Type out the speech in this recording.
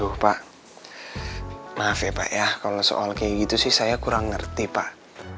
pak maaf ya pak ya kalau soal kayak gitu sih saya kurang ngerti pak